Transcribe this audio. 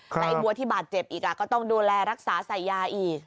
แต่ไอ้วัวที่บาดเจ็บอีกก็ต้องดูแลรักษาใส่ยาอีก